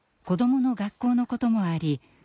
子どもの学校のこともあり